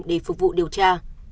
để phục vụ điều tra